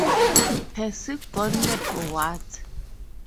Has he gone mad or what?